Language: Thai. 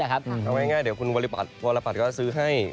เอาง่ายเดี๋ยวคุณวรปัตรก็ซื้อให้